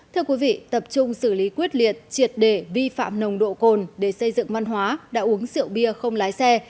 thưa quý vị tập trung xử lý quyết liệt triệt để vi phạm nồng độ cồn để xây dựng văn hóa đã uống rượu bia không lái xe